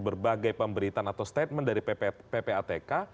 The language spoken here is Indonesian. berbagai pemberitaan atau statement dari ppatk